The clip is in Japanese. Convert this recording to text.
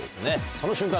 その瞬間